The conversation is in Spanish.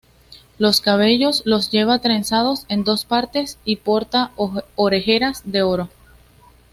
Los cabellos los lleva trenzados en dos partes y porta orejeras de oro.